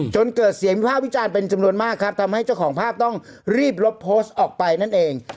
จนเกิดเสียงวิภาควิจารณ์เป็นจำนวนมากครับทำให้เจ้าของภาพต้องรีบลบโพสต์ออกไปนั่นเอง